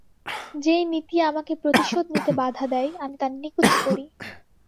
যেই নীতি আমাকে প্রতিশোধ নিতে বাধা দেয়, আমি তার নিকুচি করি।